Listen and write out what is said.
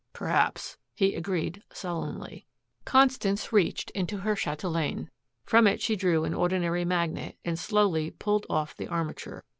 "Perhaps," he agreed sullenly. Constance reached into her chatelaine. From it she drew an ordinary magnet, and slowly pulled off the armature.